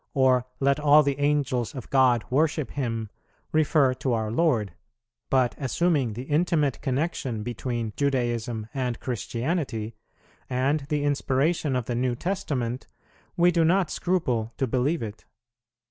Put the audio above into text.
or "Let all the Angels of God worship Him," refer to our Lord; but assuming the intimate connexion between Judaism and Christianity, and the inspiration of the New Testament, we do not scruple to believe it.